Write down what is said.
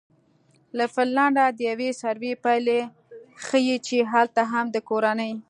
له فنلنډه د یوې سروې پایلې ښیي چې هلته هم د کورنۍ